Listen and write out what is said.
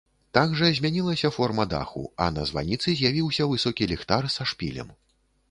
Так жа змянілася форма даху, а на званіцы з'явіўся высокі ліхтар са шпілем.